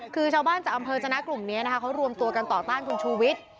คือชาวบ้านจากอำเภอจนะกลุ่มนี้นะคะเขารวมตัวกันต่อต้านคุณชูวิทย์